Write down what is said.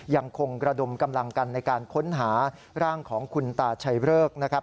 ยังคงระดมกำลังกันในการค้นหาร่างของคุณตาชัยเริกนะครับ